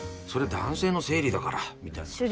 「それ男性の生理だから」みたいな。